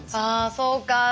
あそうか。